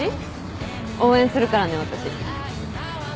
応援するからね私。